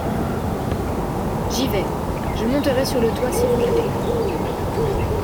J’y vais. je monterai sur le toit si vous voulez.